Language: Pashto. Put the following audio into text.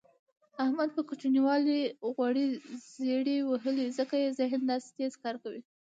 احمد په کوچینوالي غوړې زېړې وهلي ځکه یې ذهن داسې تېز کار کوي.